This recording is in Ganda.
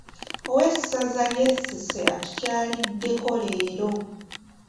Owessaza ly’Essese atukyaliddeko leero.